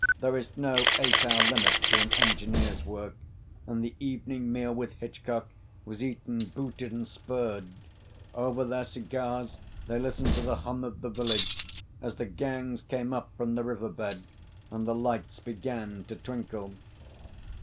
There is no eight hour limit to an engineer's work, and the evening meal with Hitchcock was eaten booted and spurred: over their cigars they listened to the hum of the village as the gangs came up from the river bed and the lights began to twinkle.